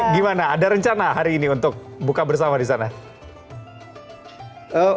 gimana ada rencana hari ini untuk buka bersama di sana